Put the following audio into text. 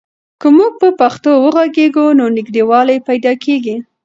که موږ په پښتو وغږېږو نو نږدېوالی پیدا کېږي.